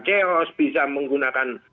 chaos bisa menggunakan